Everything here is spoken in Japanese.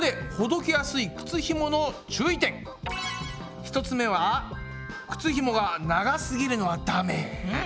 ここで１つ目は靴ひもが長すぎるのはダメ。